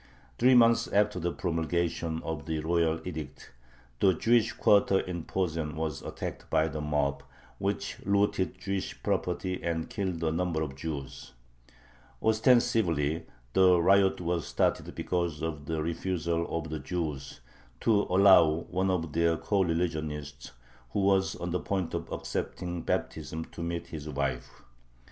Three months after the promulgation of the royal edict the Jewish quarter in Posen was attacked by the mob, which looted Jewish property and killed a number of Jews. Ostensibly the riot was started because of the refusal of the Jews to allow one of their coreligionists, who was on the point of accepting baptism, to meet his wife.